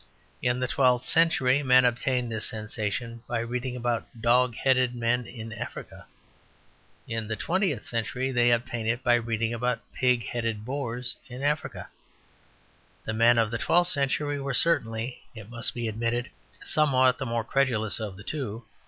In the twelfth century men obtained this sensation by reading about dog headed men in Africa. In the twentieth century they obtained it by reading about pig headed Boers in Africa. The men of the twentieth century were certainly, it must be admitted, somewhat the more credulous of the two.